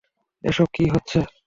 এসব কি হচ্ছে?